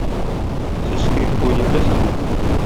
Сез скрипка уйный беләсезме?